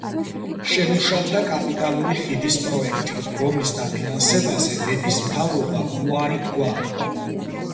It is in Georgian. შემუშავდა კაპიტალური ხიდის პროექტი, რომლის დაფინანსებაზე მეფის მთავრობამ უარი თქვა.